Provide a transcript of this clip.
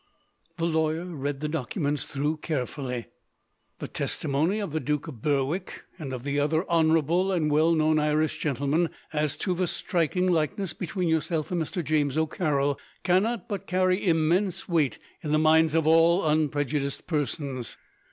The lawyer read the documents through carefully. "The testimony of the Duke of Berwick, and of the other honourable and well known Irish gentlemen, as to the striking likeness between yourself and Mr. James O'Carroll, cannot but carry immense weight in the minds of all unprejudiced persons.